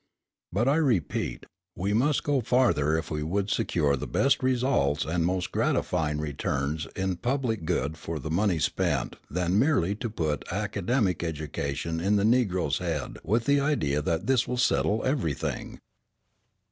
But I repeat, we must go farther if we would secure the best results and most gratifying returns in public good for the money spent than merely to put academic education in the Negro's head with the idea that this will settle everything.